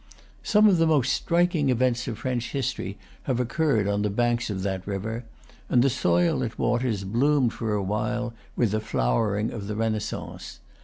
Some of the most striking events of French history have occurred on the banks of that river, and the soil it waters bloomed for a while with the flowering of the Renais sance.